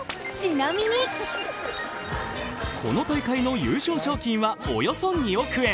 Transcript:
この大会の優勝賞金はおよそ２億円。